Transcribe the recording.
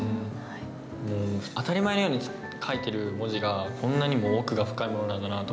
当たり前のように書いてる文字がこんなにも奥が深いものなんだなと思って。